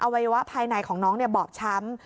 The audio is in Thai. วัยวะภายในของน้องบอบช้ำ